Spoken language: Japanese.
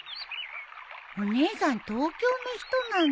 お姉さん東京の人なんだ。